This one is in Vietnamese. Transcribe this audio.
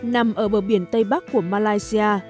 nằm ở bờ biển tây bắc của malaysia